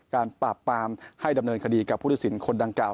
การปราบปามให้ดำเนินคดีกับพุทธศิลป์คนดังกล่า